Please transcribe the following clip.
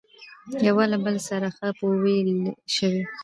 يوه له بل سره ښه پويل شوي،